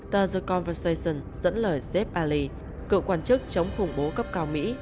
tờ the conversation dẫn lời zeb ali cựu quan chức chống khủng bố cấp cao mỹ